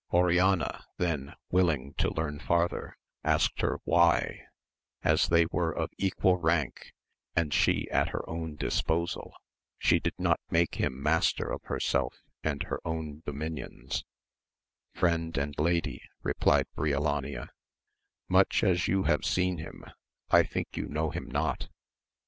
Oriana then wiUing to learn farther, asked her why, as they were of equal rank, and she at her own disposal, she did not make him master of herself and her own dominions 1 Friend and lady, replied Brio lania, much as you have seen him, I think you know him not.